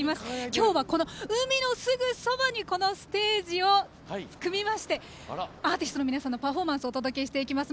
今日は、海のそばにステージを組みましてアーティストの皆さんのパフォーマンスをお届けしていきます。